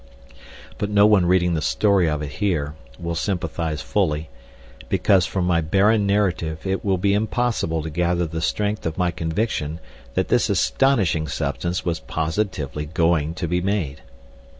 But no one reading the story of it here will sympathise fully, because from my barren narrative it will be impossible to gather the strength of my conviction that this astonishing substance was positively going to be made.